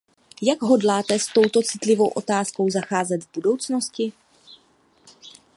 Jak hodláte s touto citlivou otázkou zacházet v budoucnosti?